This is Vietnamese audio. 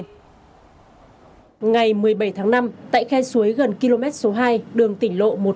ngày một mươi bảy tháng năm tại khe suối gần km số hai đường tỉnh lộ một trăm hai mươi chín b